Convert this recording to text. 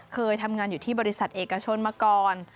เคยทำงานอยู่ที่บริษัทเอกชนมาก่อน